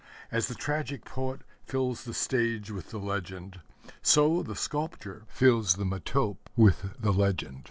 As the tragic poet fills the stage with the legend, so the sculptor fills the metope with the legend.